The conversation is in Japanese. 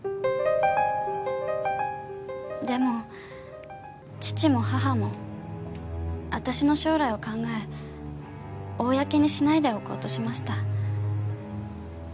でも父も母も私の将来を考え公にしないでおこうとしました。